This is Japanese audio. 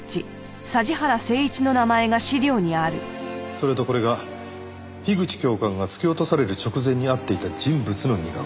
それとこれが樋口教官が突き落とされる直前に会っていた人物の似顔絵。